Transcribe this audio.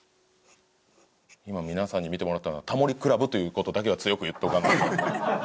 今皆さんに見てもらってるのは『タモリ倶楽部』という事だけは強く言っておかないと。